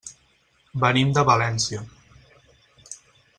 Venim de València.